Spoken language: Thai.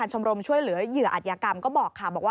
ชมช่วยเหลือเหยื่ออัตยากรรมก็บอกค่ะ